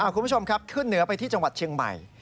คุณผู้ชมครับขึ้นเหนือไปที่จังหวัดเชียงใหม่